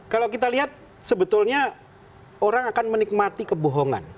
kalau kita lihat sebetulnya orang akan menikmati kebohongan